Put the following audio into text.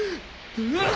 うわっ！